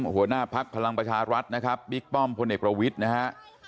หัวหน้าภักดิ์พลังประชารัฐนะครับบิ๊กป้อมพลเอกประวิทย์นะฮะ